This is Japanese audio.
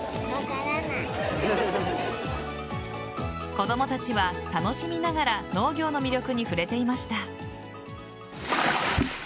子供たちは楽しみながら農業の魅力に触れていました。